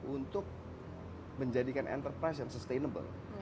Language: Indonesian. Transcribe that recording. untuk menjadikan enterprise yang sustainable